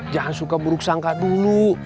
jangan suka buruk sangka dulu